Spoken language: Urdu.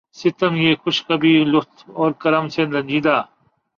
ستم پہ خوش کبھی لطف و کرم سے رنجیدہ